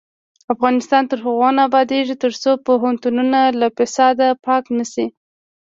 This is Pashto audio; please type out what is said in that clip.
افغانستان تر هغو نه ابادیږي، ترڅو پوهنتونونه له فساده پاک نشي.